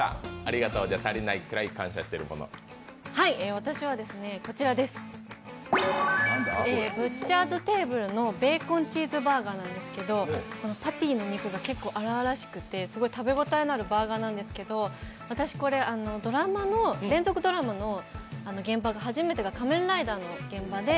私はＢＵＴＣＨＥＲ’ＳＴＡＢＬＥのベーコンチーズバーガーなんですけどパティの肉が結構粗々しくて、すごい食べ応えのあるバーガーなんですけど、私これ、連続ドラマの現場が初めてが「仮面ライダー」の現場で。